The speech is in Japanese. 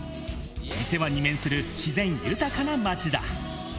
伊勢湾に面する自然豊かな町だ。